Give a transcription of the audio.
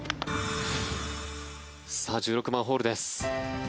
さあ、１６番ホールです。